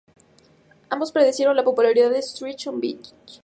Ambos precedieron la popularidad de "Switched-On Bach".